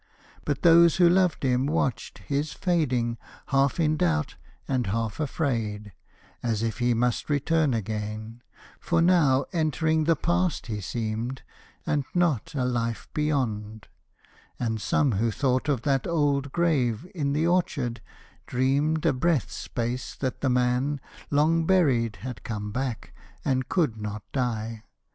But those who loved him watched His fading, half in doubt, and half afraid, As if he must return again; for now Entering the past he seemed, and not a life Beyond; and some who thought of that old grave In the orchard, dreamed a breath's space that the man Long buried had come back, and could not die.